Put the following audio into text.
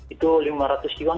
itu lima ratus yuan